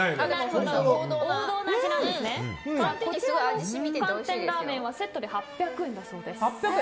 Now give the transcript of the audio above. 寒天ラーメンはセットで８００円だそうです。